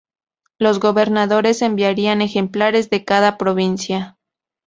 Los gobernadores enviarían ejemplares de cada provincia.